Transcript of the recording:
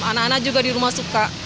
anak anak juga di rumah suka